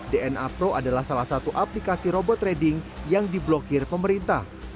dna pro adalah salah satu aplikasi robot trading yang diblokir pemerintah